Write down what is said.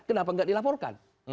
kenapa tidak dilaporkan